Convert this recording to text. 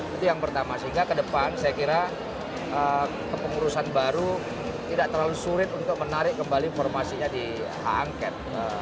jadi yang pertama sehingga ke depan saya kira kepengurusan baru tidak terlalu sulit untuk menarik kembali formasinya di angket